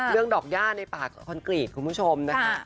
ดอกย่าในปากคอนกรีตคุณผู้ชมนะคะ